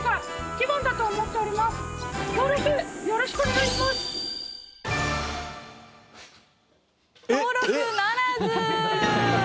登録ならず！